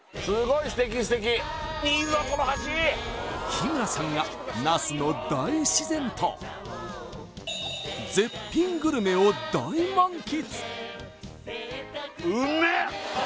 日村さんが那須の大自然と絶品グルメを大満喫！